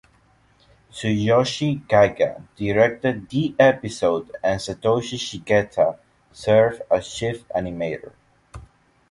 Tsuyoshi Kaga directed the episode and Satoshi Shigeta served as chief animator.